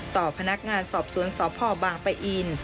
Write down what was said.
ต่อพนักงานสอบสวนสพบางปะอิน